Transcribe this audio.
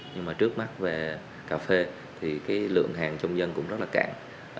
nhưng mà trước mắt về cà phê thì cái lượng hàng trong dân cũng rất là cạn